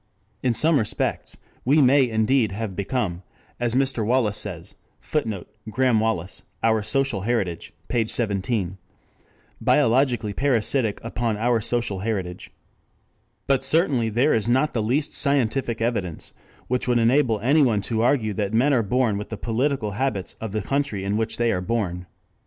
In some respects, we may indeed have become, as Mr. Wallas says, [Footnote: Graham Wallas, Our Social Heritage, p. 17.] biologically parasitic upon our social heritage. But certainly there is not the least scientific evidence which would enable anyone to argue that men are born with the political habits of the country in which they are born.